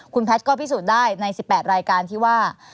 คุณแพทย์ก็พิสูจน์ได้ใน๑๘รายการที่ว่า